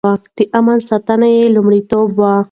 د امن ساتنه يې لومړيتوب و.